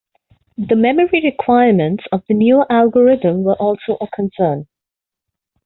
The memory requirements of the newer algorithm were also a concern.